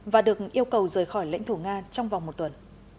và được yêu cầu rời khỏi lãnh thổ nga trong vòng một tuần